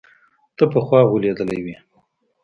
ته پخوا غولېدلى وي.